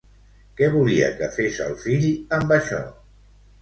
Què volia que fes el fill amb això?